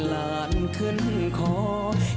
มารมีชุดพวกศัลย์